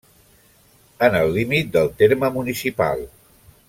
En el límit del terme municipal.